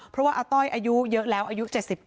เพราะว่าอาต้อยอายุเยอะแล้วอายุ๗๙